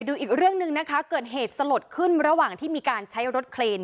อีกเรื่องหนึ่งนะคะเกิดเหตุสลดขึ้นระหว่างที่มีการใช้รถเคลน